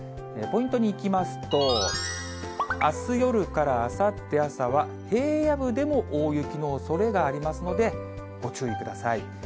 ポイントにいきますと、あす夜からあさって朝は、平野部でも大雪のおそれがありますので、ご注意ください。